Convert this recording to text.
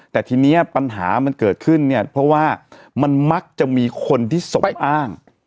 แต่ทีนี้ปัญหามันเกิดขึ้นเนี่ยเพราะว่ามันมักจะมีคนที่ศพอ้าง